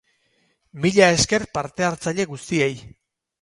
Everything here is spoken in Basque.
Mila esker parte-hartzaile guztiei!